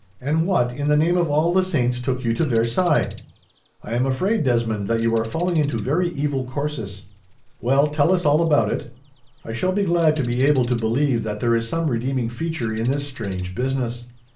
"And what, in the name of all the saints, took you to Versailles! I am afraid, Desmond, that you are falling into very evil courses. "Well, tell us all about it. I shall be glad to be able to believe that there is some redeeming feature in this strange business."